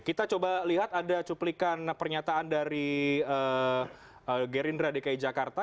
kita coba lihat ada cuplikan pernyataan dari gerindra dki jakarta